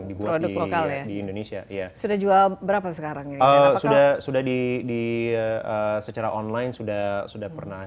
dibuat di indonesia ya sudah jual berapa sekarang ya sudah sudah di secara online sudah sudah pernah